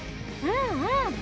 うん！